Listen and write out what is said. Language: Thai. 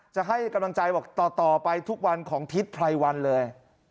จะให้กำลังใจบอกต่อไปทุกวันของทิศไพรวันเลย